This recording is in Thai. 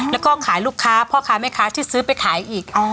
แล้วก็ขายลูกค้าพ่อค้าแม่ค้าที่ซื้อไปขายอีก